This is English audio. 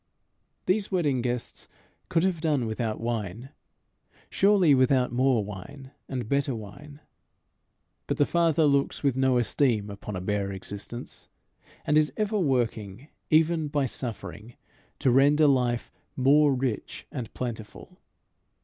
These wedding guests could have done without wine, surely without more wine and better wine. But the Father looks with no esteem upon a bare existence, and is ever working, even by suffering, to render life more rich and plentiful.